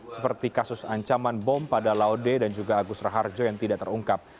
seperti kasus ancaman bom pada laude dan juga agus raharjo yang tidak terungkap